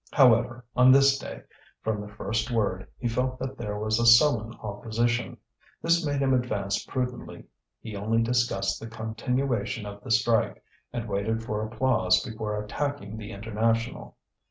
However, on this day, from the first word, he felt that there was a sullen opposition. This made him advance prudently. He only discussed the continuation of the strike, and waited for applause before attacking the International.